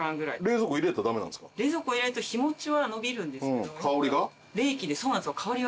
冷蔵庫入れると日持ちはのびるんですけど。